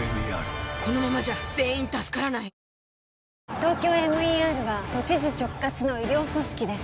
ＴＯＫＹＯＭＥＲは都知事直轄の医療組織です